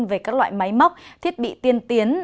về các loại máy móc thiết bị tiên tiến